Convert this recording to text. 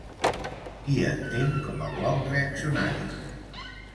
Qui entén com a bloc reaccionari?